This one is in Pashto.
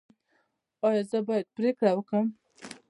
ایا زه باید پریکړه وکړم؟